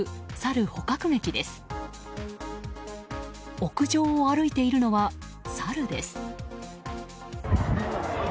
屋上を歩いているのはサルです。